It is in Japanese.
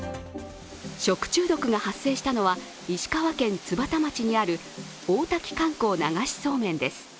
食中毒が発生したのは石川県津幡町にある大滝観光流しそうめんです。